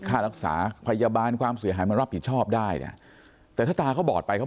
ค่ารักษาพยาบาลความเสียหาย